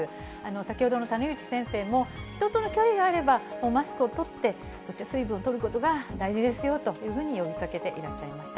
先ほどの谷口先生も、人との距離があればもうマスクを取って、そして水分をとることが大事ですよというふうに呼びかけていらっしゃいました。